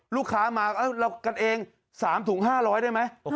ลูกค้ามาเรากันเอง๓ถุง๕๐๐ได้ไหม